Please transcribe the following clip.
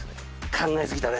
考えすぎたね。